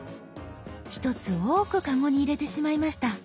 １つ多くカゴに入れてしまいました。